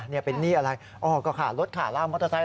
นี่เป็นหนี้อะไรอ๋อก็ขารถขาล่างมอเตอร์ไซค